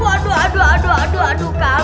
waduh aduh aduh aduh aduh kan